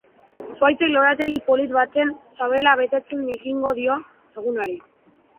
Zuhaitzek lorategi polit baten sabela betetzen ekingo dio egunari.